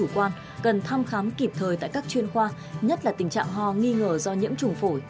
quan cần thăm khám kịp thời tại các chuyên khoa nhất là tình trạng ho nghi ngờ do nhiễm trùng phổi